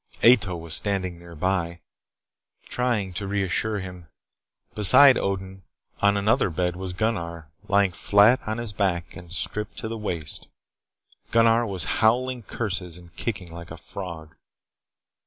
Ato was standing nearby, trying to reassure him. Beside Odin on another bed was Gunnar, lying flat on his back and stripped to the waist. Gunnar was howling curses and kicking like a frog.